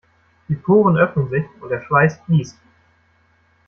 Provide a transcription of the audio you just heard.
Die Poren öffnen sich und der Schweiß fließt.